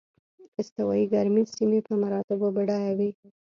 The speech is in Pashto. استوایي ګرمې سیمې په مراتبو بډایه وې.